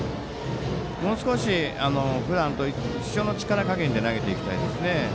もう少しふだんと一緒の力加減で投げていきたいですね。